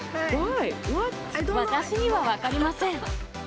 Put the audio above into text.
私には分かりません。